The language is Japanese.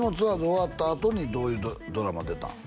終わったあとにどういうドラマ出たん？